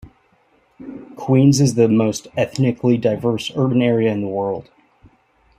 Queens is the most ethnically diverse urban area in the world.